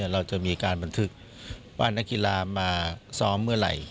เราจะมีการบันทึกว่านักกีฬามาซ้อมเมื่อไหร่